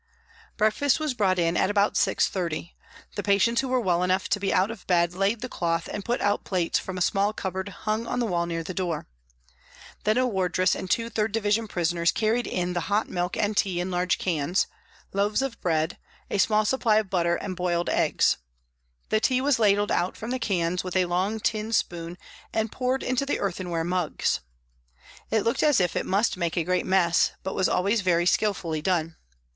Breakfast was brought in at about 6.30. The patients who were well enough to be out of bed laid the cloth and put out plates from a small cupboard hung on the wall near the door. Then a wardress and two 3rd Division prisoners carried in the hot milk and tea in large cans, loaves of bread, a small supply of butter and boiled eggs. The tea was ladled out from the cans with a long tin spoon and poured into the earthenware mugs. It looked as if it must make a great mess, but was always very skilfully done.